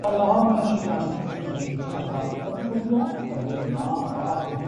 oil tanker owners association کا مطالبات کی منظوری تک ہڑتال جاری رکھنے کا اعلان